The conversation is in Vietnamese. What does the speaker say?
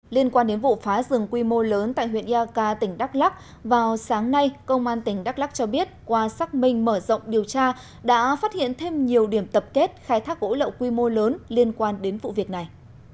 liên quan đến vụ phá rừng quy mô lớn tại huyện yaka tỉnh đắk lắc vào sáng nay công an tỉnh đắk lắc cho biết qua xác minh mở rộng điều tra đã phát hiện thêm nhiều điểm tập kết khai thác gỗ lậu quy mô lớn liên quan đến vụ việc này